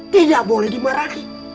tidak boleh dimarahi